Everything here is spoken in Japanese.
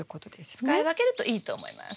使い分けるといいと思います。